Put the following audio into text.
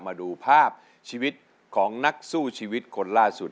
มาดูภาพชีวิตของนักสู้ชีวิตคนล่าสุด